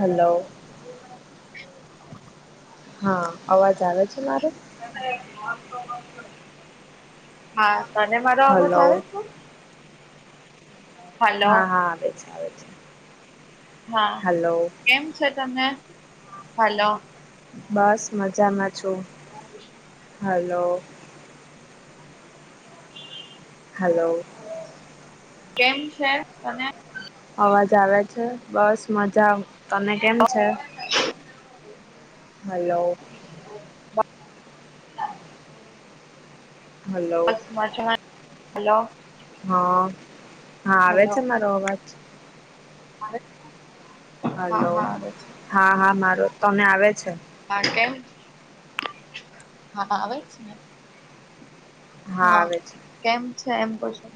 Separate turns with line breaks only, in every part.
Hello હા અવાજ આવે છે મારે
હા તને મારો આમાં ચાલે જ છે હલો
હા હા આવે છે આવે
હા
છે હલો
કેમ છે તમે હલોો
બસ મજામાં છું હલો હલો
કેમ છે તને
અવાજ આવે છે બસ મજા તને કેમ છે હલો હલો
ું હલો
હા હા આવે
હલો
છે મારો અવાજ
આવે હા
હલો
હા આવે છે
હા હા મારો તને આવે છે
કેમ હા આવેજ ને હા
આવે છે
કેમ છે એમ પછું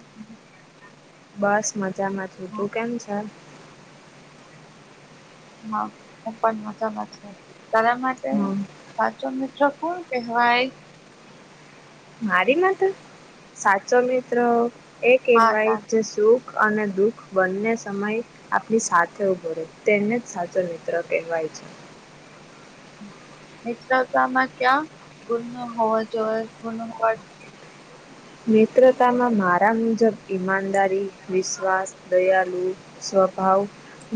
બસ મજામાં થ તું
હા
કેમ છે
હા હું પણ મજામાં છ તારા માટે
હમ
સાચો મિત્રો કોણ કહેવાય
મારીમાં તો સાચો મિત્ર એ
હા
કેહેવાય
તાર
જ શું અને દુઃખ બંને સમય આપણી સાથે ઉભો ર તેમને સાચો મિત્ર કહેવાય છે
મિત્રતામાં ક્યાં ગુનો હોવો જોઈએ ગુનો
મનેત્રતામાં મારા મુજબ ઈમાનદારી વિશ્વાસ દયાલુ સ્વભાવ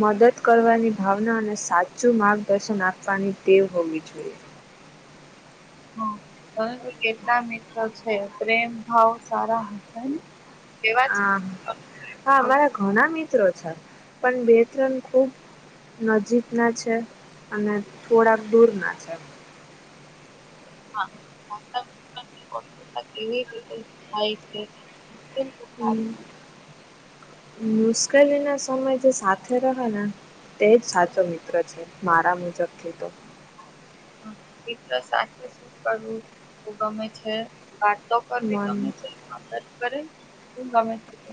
મદદ કરવાની ભાવના અને સાચું માર્ગદર્શન આપવાની ટેવ હોવી જોઈએ
હા કેટલા મિત્રો છે પ્રેમ ભાવ સારા હશે ને એવા
હ
જ
હા
ભાવમાં
મારા ઘણા મિત્રો છે પણ બે ત્રણ ખુબ નજીક ના છે અને થોડાક દૂર ના છે
હા કે છે
હમ મુશ્કેલી ના સમય જે સાથે રહ ને. તે જ સાચો મિત્ર છે મારા મુજબ થતો.
મિત્ર સાથે શું કરવું ગમે છે. વાતો કરવી
મન
ગમે છે મદદ કરે શું ગમે છે ત.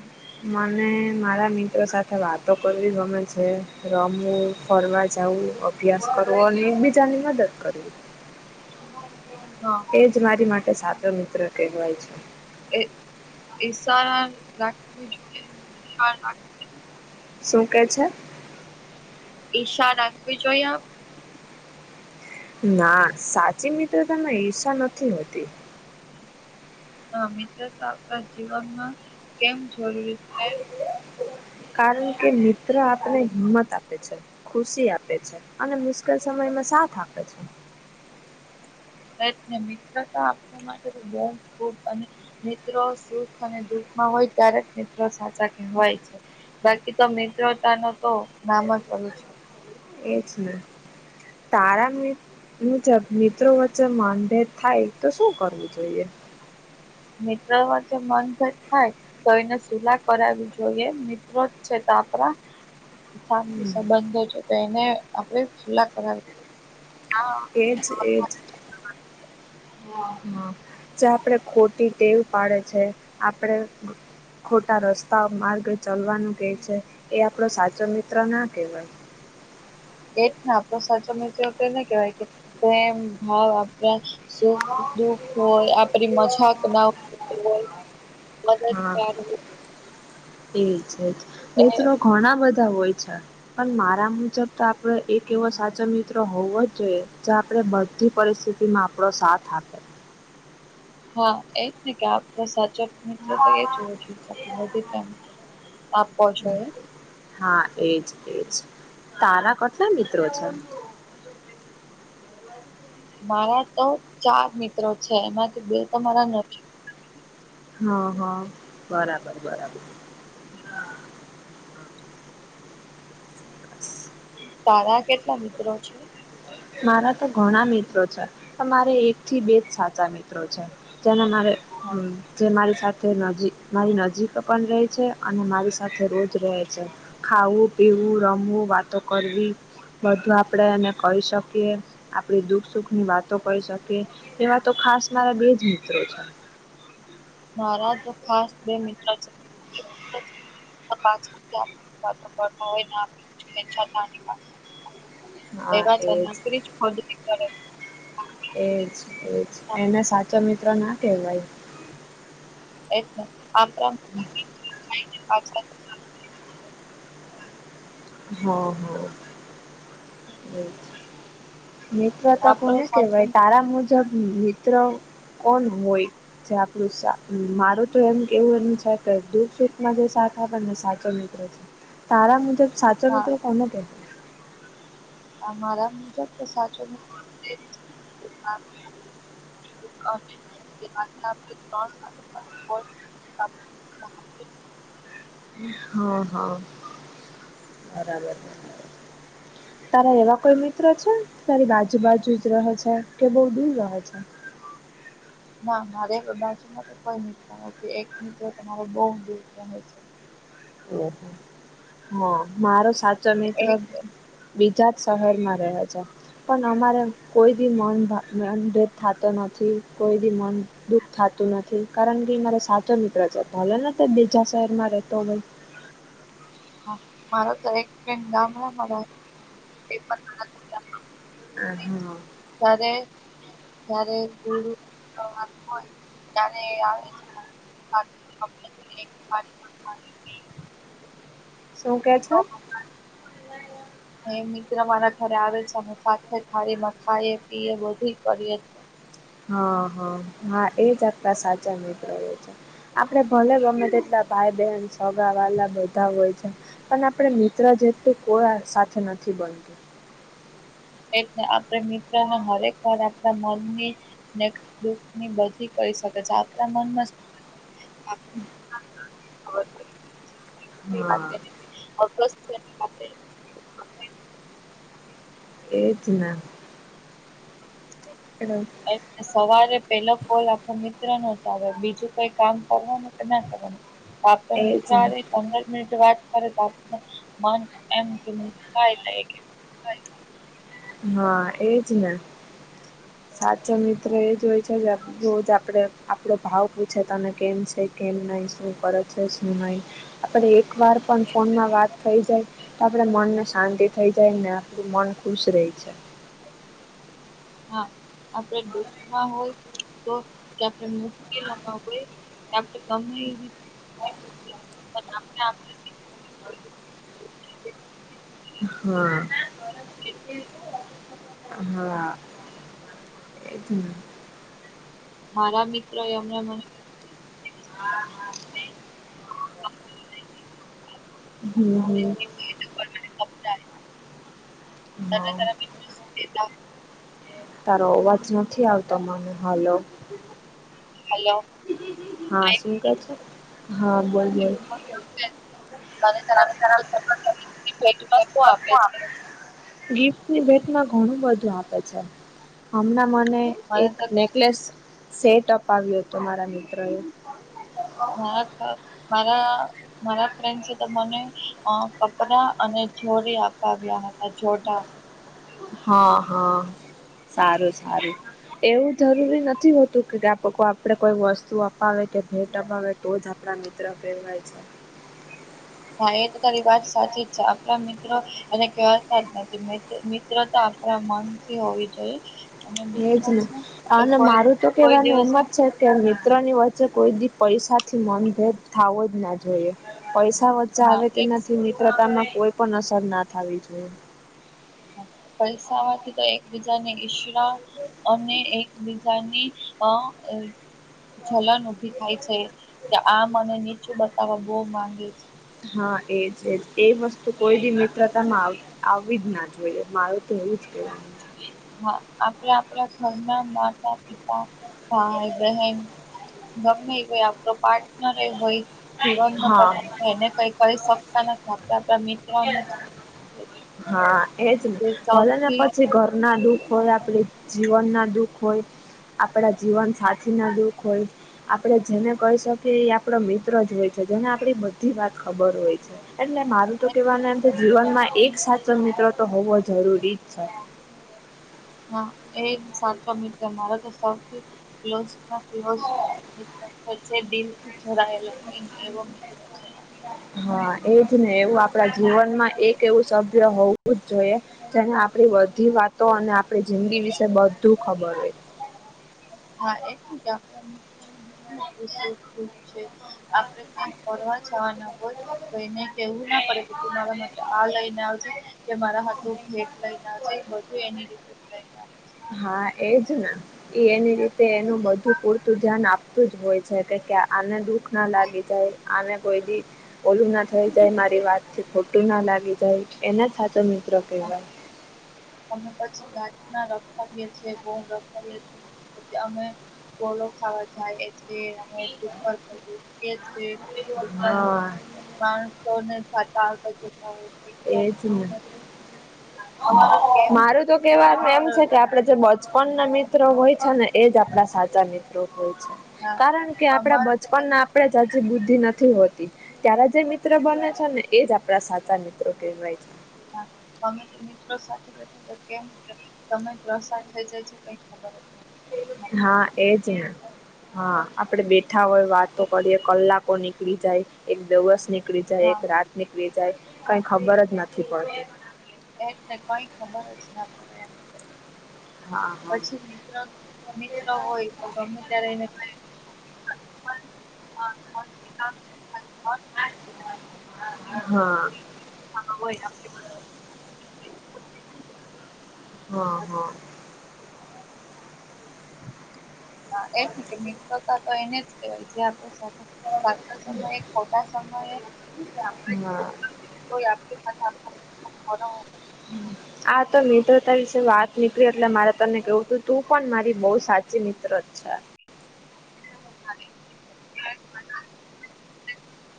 મને મારા મિત્રો સાથે વાતો કરવી ગમે છે રમવું ફરવા જવું. અભ્યાસ કરવો અને એક બીજાની મદદ કરવી.
[inaudible]
એજ મારી માટે સાચો મિત્ર કહેવાય છે.
એ ઈશારા રાખવી જોઈએ ઈશ રાખ
શું કે છે?
ઈશા રાખવી જોઈએ આપ?
ના સાચી મિત્રતામાં ઈર્ષા નથી હોતી.
હ મિત્ર આપણા જીવનમાં કેમ જરૂરી છે?
કારણ કે મિત્ર આપને હિંમત આપે છે ખુશી આપે છે. અને મુશ્કેલ સમયમાં સાથ આપે છે.
ને મિત્રતા આપણા માટે તો બહ ખૂબ અને મિત્રો સુખ અને દુઃખમાં હોય ત્યારે જ મિત્રો સાથે- - હોય છે બાકી તો મિત્રતા ન તો નામ જ ઓલું છે- -
એજ ને તારા જ મિત્રો વચ્ચે માનભેદ થાય તો શું કરવું જોઈએ?
મિત્રો વચ્ચે મન ભેદ થાય- - તો એને સુલાહ કરાવવી જોઈએ મિત્રો જ છે તો આપણા સા સંબંધો છે તો એને આપડે સુલા કરાવી
એજ એજ હ હા. જે આપડે ખોટી ટેવ પાડે છે આપડ ખોટા રસ્તા માર્ગ ચાલવાનું કે છે એ આપડો સાચો મિત્ર ના કહેવાય.
એ જ ને આપડો સાચો મિત્ર તોને કેહેવાય કે પ્રેમ ભાવ આપણા સુખ દુખ હોય આપડી મજાક ના હોય
હા
મદદકાર હોય.
એજ
એ
મિત્રો ઘણા બધા હોય છે. પણ મારા મુજબ તો આપડ એક એવો સાચો મિત્રો હોવો જ જોઈએ જે આપણે બધી પરિસ્થિતિ માં આપણો સાથ આપે.
હા એક ને કે આપ સાચો મિત્ર તપ પચય
હા એજ એજ તા કેટલા મિત્રો છે?
મારા તો ચાર મિત્રો છે એમાંથી બે મારા નથી.
હ હા બરાબર બરાબર.
તારા કેટલા મિત્રો છે?
મારા તો ઘણા મિત્રો છે. મારે એક થી બેજ સાચા મિત્રો છે જેને મારે
હા
જે મારી તે નજીક મારી નજીક પણ રહે છે અને મારી સાથે રોજ રહે છે. ખાવું પીવું રમવું વાતો કરવી બધું આપડે એને કહી શકીએ. આપણે દુખ સુખ ની વાતો કરી શકીએ એવા તો ખાસ મારા બેજ મિત્રો છે.
મારા તો ખાસ બે મિત્ર છે. પાછ હોય ને ખચતા એ
હા
વા
એજ
ચરનાપુરી જ ખોદલી કરે
એજ એજ એને સાચો મિત્રો ના કેહેવાય.
એજ ને આ થાય પાછ
હા હા એ- - [inaudible] મિત્રતા
આપણો
કોને
સાચો
કેહેવાય તારા
મિત્ર.
મુજબ મિત્ર કોણ હોય? [inaudible] જે આપડું સા મારું તો એમ કેવું એમ છે, કે દુખ સુખમાં જે સાથ આપે ને સાચો મિત્રો છે. તારા મુજબ સાચા
હા
મિત્ર કોને કે?
અમારા મુજબ તો સાચો મિત્રો [unintelligible] [inaudible]
હા હા બરાબર. તારા એવા કોઈ મિત્રો છે, તારી બાજુ બાજુ જ રહે છે, કે બો દૂર રહે છે.
ના મારે બાજુમાં તો કોઈ મિત્ર નથી એક મિત્ર તમારો બો દૂર રહે છે.
ઓહ હા મારો સાચો મિત્ર
એક
બીજા જ શહેરમાં રહ્યા છે. પણ અમારે કોઈ બી મન ભા મન ભેદ થાતો નથી કોઈ બી મન દુઃખ થાતું નથી કારણ કે મારા સાધો મિત્ર છે, ભલે ને તે બીજા શહેરમાં રેતો હોય
હ મારો તો એક ફ્રેન્ડ ગામડામા [unintelligible]
[inaudible]
ત્યારે જ્યારે ગુરુ [unintelligible] [unintelligible] ત્યારે આવે [unintelligible] પી
શું કેવ છો?
[inaudible] એ મિત્ર મારા ઘરે આવે છે, અમે સાથે થાળીમાં ખાઈએ પીએ બધુંય કરીએ
હ હ હા એજ આપણા સાચા મિત્રો એ છે, આપડે ભલે ગમે તેટલા ભાઈ બહેન સોગા વાલા બધા હોય છે. પણ આપણે મિત્ર જેટલું કોઈ સાથે નથી બનતું
એટલે આપણે મિત્રોન હરેક વાર આપણા મનની ને દુઃખની બધી કહી શકે છે, આપણા મનમાં આપણે
[inaudible] હા
[inaudible]
એ જ ને [inaudible]
[inaudible] સવારે પેલો કોલ આપણો મિત્રનો જ આવે બીજું કઈ કામ કરવાનું કે ના કરવાનું આપ તો મિત્ર
એજ
હારે પંદર મિનિટ વાત કરે તો આપ મન એમ કે [unintelligible]
હા એજ ને સાચો મિત્ર એ જોય છે, જે આ રોજ આપડે આપડો ભાવ પૂછે તને કેમ છે, કેમ નહી શું કરે છે શું નહી આપડે એક વાર પણ ફોનમાં વાત થઈ જાય તો આપડે મનને શાંતિ થઈ જાય ને આપણું મન ખુશ રેય છે.
હા આપડે દુખમાં હોય તો કે આપણે મુશ્કેલોમાં હોય કે આપડે ગમે એ રી [unintelligible]
[inaudible] હા. હા એજ ને
મારા મિત્ર એ [unintelligible] મને
હા હા.
ભેટમાં શું
હમ હમ. હા
[inaudible]
તારો અવાજ નથી આવતો મને હાલો
હાલો.
હા શું કે છે, હા બોલ બોલ
[inaudible]
[unintelligible] હુ આપે છે. ગિફ્ટની બેટમાં ઘણું બધું આપે છે હમણાં મને એક લે કલેસ સેટ અપાવ્યો હતો મારા મિત્રોએ.
[unintelligible] મારા મારા ફ્રેન્ડ છે તને અ કપડા અને જોરી આપવા આવ્યા હતા જોડા.
હા હા સારું સારું. એવું જરૂરી નથી હોતું કે આપડે કોઈ વસ્તુ અપાવે કે ભેટ અપાવે તો જ આપડાને ત્ર ફેરવાય છે.
હા એ તો તારી વાત સાચી જ છે. આપડા મિત્રો અને કહેતા જ નથી મિત્ર તો આપણા મનથી હોવી જોઈએ. અને
એજ
મિત્ર
ને
છે એ
અને
કોઈ
મારું તો
કોઈ
કેવાનું
દિવસ
એમ જ છે તા મિત્રોની વચ્ચે કોઈ બી પૈસાથી મનભેદ થવો જ ના જોઈએ પૈસા વ
હા
આવે
એક
તેનાથી મિત્રતામાં કોઈ પણ અસર ના થવી જોઈએ.
પૈસા આવા થી તો એકબીજાને ઈશયુ ના અમે એકબીજાની અ જલન ઉભી થાય છે કે આ મને નીચું બતાવવા બો માંગ છે.
હા એ છે એ વસ્તુ કોઈ બી મિત્રતામાં આવતી આવવી જ ના જોઈએ મારે તો એવું જ કેહેવાનું.
હા આપડે આપડા ઘરના માતા પિતા ભાઈ બહેન ગમે કો આપ પાર્ટનર એ હોય હિરન
છે.
ન પ એને
હા
કઈ કરી શકતા નથી આપડે આપણા મિત્રને
હા એજ ને
જે
ભલે ને
સૌથી
પછી ઘર ના બી હોય આપડી જીવન ના દુઃખ હોય આપણા જીવન સાથી ના દુઃખ હોય, આપડે જેને કહી શકીએ એ આપડો મિત્ર જ હોય છે જેને આપડી બધી વાત ખબર હોય છે. એટલે મારું તો કેવાનું એમ કે જીવનમાં એક સાચો મિત્ર તો હોવો જરૂરી જ છે.
હા એ સાચો મિત્ર મારા તો સૌથી ક્લો માં ક્લો મિત્ર થઈ ચ દિલ થી જરાયેલો હોય ને એવો મિત્ર છે મારો.
હા એજ ને એવું આપડા જીવનમાં એક એવું સભ્ય હોવું જ જોઈએ તેને આપણી બધી વાતો અને આપણી જિંદગી વિશે બધું ખબર હોય.
હા એટ કે [inaudible] આપડે ક્યાંક ફરવા જવાના હોય તો એને કેવું ના પડે કે તું મારા માટે આ લઈને આવજ કે મારા તું ભેટ લઈને આજે બધું એની રીતે લઈને છે.
હા એજ ને. એ એની રીતે એનું બધું પૂરતું ધ્યાન આપતું જ હોય છે કે આને દુઃખ ના લાગી જાય આને કોઈ બી ઓલું ના થઈ જાય મારી એ વાત થી ખોટું ના લાગી જાય એને જ સાચો મિત્રો કહેવાય.
અમે પછી ઘાતના રખડીએ છીએ બઉ રખડીએ છીએ પછ અમે ગોલો ખાવા જાયએ છે અમે [unintelligible] છે.
કહેવાય
પણ
હા
માણસોને જાતા આવતા જતા હોય. દીકરો
એજ ને.
અમારો કેમ
મારું તો કેવાનું એમ
અમારો
છે કે આપડા જે બચપન ના મિત્રો હોય છે ને એજ આપડા સાચા મિત્રો હોય છે.
હા
કારણ કે આપડા
અમારો તો કે-
બચપન ના આપડે જાજી બુદ્ધિ નથી હોતી ત્યારે જે મિત્ર બને છે ને એજ આપડા સાચા ઓકે રાઈટ.
હા અમે તો મિત્રો સાથે બેથો તો કેમ કે સમય પ્રસાર થઈ જાય છે કઈ ખબર જ નથી. પડતી અમને
હા એજ ને. હા આપડે બેઠા હોય, વાતો કરીએ કલાકો નીકળી જાય એક દિવસ ની નીકળી જાય,
હા
એક રાત નીકળી જાય કઈ ખબર જ નથી પડતી.
એ ને કઈ ખબર જ ના પડે એમાં.
હા હા
પછી મિત્ર મિત્ર હોય તો ગમે ત્યારે એને કઈ પણ
હા.
હા હો,
હા હા.
હ એમને કે મિત્રોતા તો એને જ કેવાય જે આપડ સાથે ચાલતો સમય ખોટા સમયે કોય આપણી સાથે આપણો મો
આ તો મિત્રતા વિશે વાત નીકળી એટલે મારે તને કેવું હતું તું પણ મારી બહુ સાચી મિત્ર જ છે.
હ.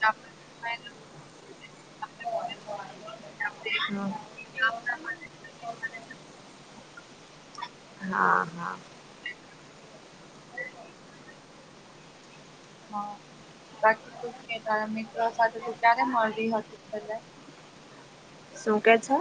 આપણો
હા.
હમ.
હા હા.
હા બાકી તું કે તારા મિત્રો સાથે તું ક્યારે મળતી હતી પેલે.
શું કે છો?